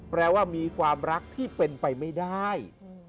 แปลว่ามีความรักที่เป็นไปไม่ได้